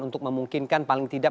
untuk memungkinkan paling tidak